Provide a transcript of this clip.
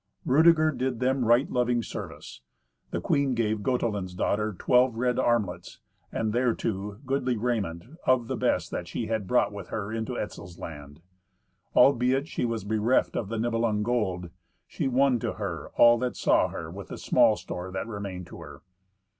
Rudeger did them right loving service. They queen gave Gotelind's daughter twelve red armlets, and, thereto, goodly raiment of the best that she had brought with her into Etzel's land. Albeit she was bereft of the Nibelung gold, she won to her all that saw her with the small store that remained to her.